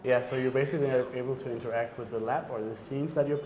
jadi anda bisa interaksi dengan lab atau scene yang anda letakkan